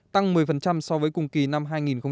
tăng một mươi so với cùng kỳ năm hai nghìn một mươi tám